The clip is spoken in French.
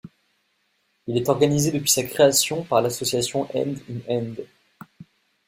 Il est organisé depuis sa création par l'association Hand in Hand.